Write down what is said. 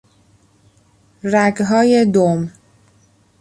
رگهای دم